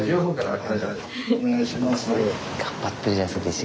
お願いします。